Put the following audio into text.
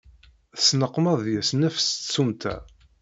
Tesneqmaḍ deg-s nnefs s tsumta.